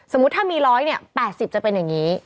สมมุติถ้ามี๑เนี่ย๘๐จะเป็นอย่างนี้